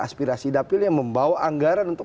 aspirasi dapilnya membawa anggaran untuk